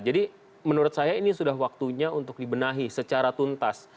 jadi menurut saya ini sudah waktunya untuk dibenahi secara tuntas